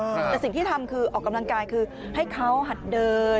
แต่สิ่งที่ทำคือออกกำลังกายคือให้เขาหัดเดิน